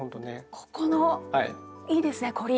ここのいいですね凝り。